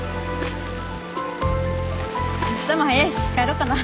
あしたも早いし帰ろうかな。